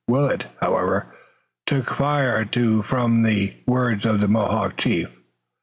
Willet, however, took fire too from the words of the Mohawk chief.